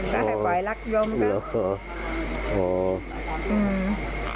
แต่ผ่อยรักยมเค้า